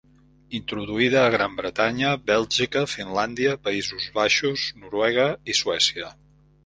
Introduïda a Gran Bretanya, Bèlgica, Finlàndia, Països Baixos, Noruega i Suècia.